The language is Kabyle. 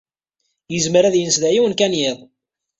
Yezmer ad yens da yiwen kan yiḍ.